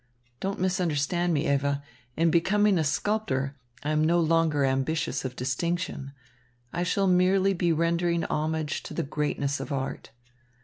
Don't misunderstand me, Eva. In becoming a sculptor, I am no longer ambitious of distinction. I shall merely be rendering homage to the greatness of art.